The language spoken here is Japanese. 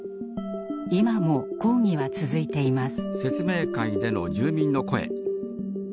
今も抗議は続いています。